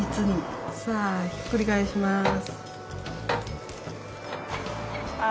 さあひっくり返します。